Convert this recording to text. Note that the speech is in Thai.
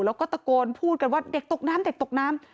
แล้วก็ตะโกนพูดกันว่าเด็กตกน้ำเด็กตกน้ำ